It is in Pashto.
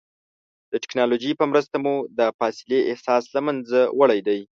د ټکنالوجۍ په مرسته مو د فاصلې احساس له منځه وړی دی.